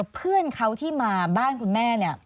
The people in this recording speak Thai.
เพื่อนเขาที่มาบ้านคุณแม่เนี่ย